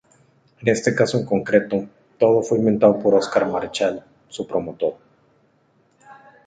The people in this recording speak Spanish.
En este caso en concreto, todo fue inventado por Oscar Marechal, su promotor.